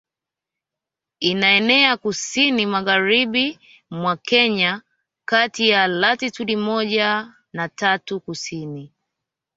Inaenea kusini magharibi mwa Kenya kati ya latitude moja na tatu Kusini